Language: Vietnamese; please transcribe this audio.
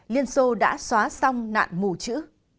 liên xô đã xóa xong nạn mù chữ